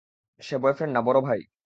সে boyfriend না বড় ভাই।